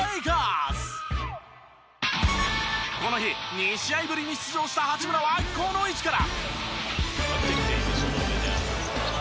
この日２試合ぶりに出場した八村はこの位置から。